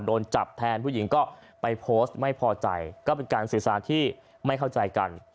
โดนจับแทนผู้หญิงก็ไปโพสต์ไม่พอใจก็เป็นการสื่อสารที่ไม่เข้าใจกัน